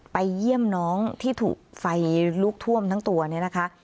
ไปเยี่ยมน้องที่ถูกไฟลุกท่วมทั้งตัวเนี่ยนะคะ